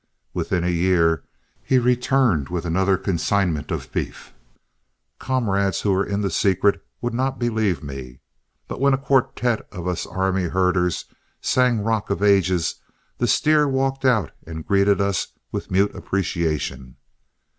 Within a year he returned with another consignment of beef; comrades who were in the secret would not believe me; but when a quartette of us army herders sang "Rock of Ages," the steer walked out and greeted us with mute appreciation.